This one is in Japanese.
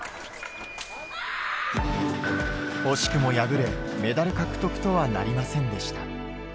惜しくも敗れ、メダル獲得とはなりませんでした。